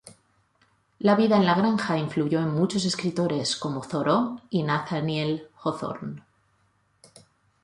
La vida en la granja influyó en muchos escritores como Thoreau y Nathaniel Hawthorne.